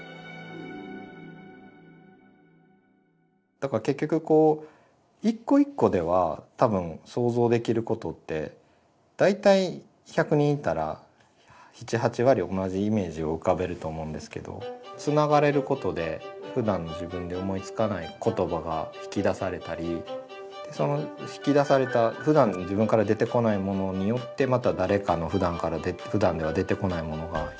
だから結局一個一個では多分想像できることって大体１００人いたら７８割同じイメージを浮かべると思うんですけどつながれることでふだんの自分で思いつかない言葉が引き出されたりでその引き出されたふだんの自分から出てこないものによってまた誰かのふだんでは出てこないものが引き出されたりすると思うので。